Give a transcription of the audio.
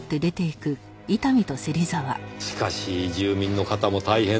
しかし住民の方も大変ですねぇ。